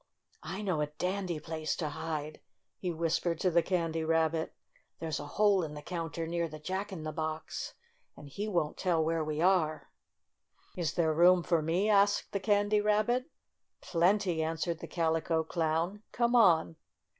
"I know a dandy place to hide," he whispered to the Candy Rabbit. "There's a hole in the counter near the Jaek in the Box, and he won't tell where we are. 14 STORY OF A SAWDUST DOLL "Is there room for me?" asked the Candy Rabbit. "Plenty," answered the Calico Clown. "Come on!"